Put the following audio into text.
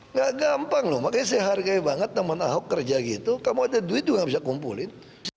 nggak gampang loh makanya saya hargai banget teman ahok kerja gitu kamu ada duit juga nggak bisa kumpulin